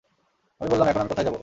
আমি বললাম, এখন আমি কোথায় যাব?